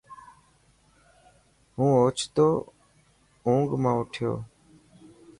هون اوڇتو اونگ منا اٺيو.